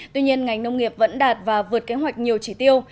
tuy nhiên ngành nông nghiệp vẫn đạt và vượt kế hoạch nhiều chỉ tiêu